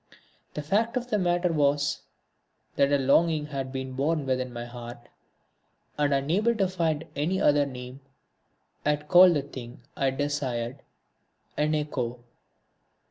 The fact of the matter was that a longing had been born within my heart, and, unable to find any other name, I had called the thing I desired an Echo.